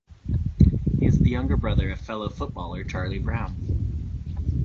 He is the younger brother of fellow footballer Charlie Brown.